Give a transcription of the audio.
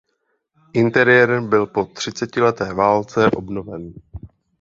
Interiér byl po třicetileté válce obnoven.